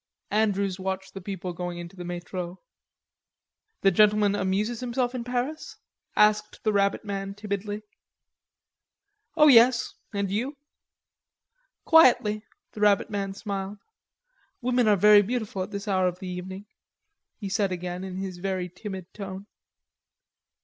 Andrews watched the people going into the Metro. "The gentleman amuses himself in Paris?" asked the rabbit man timidly. "Oh, yes; and you?" "Quietly," the rabbit man smiled. "Women are very beautiful at this hour of the evening," he said again in his very timid tone.